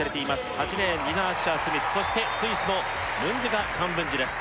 ８レーンディナ・アッシャースミスそしてスイスのムジンガ・カンブンジです